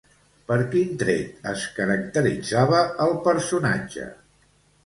Per quin tret es caracteritzava el personatge?